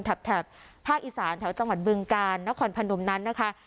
แถบภาคอีสานแถวจังหวัดบึงกาลนครพนมนั้นนะคะ